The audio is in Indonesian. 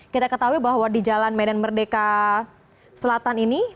kita ketahui bahwa di jalan medan merdeka selatan ini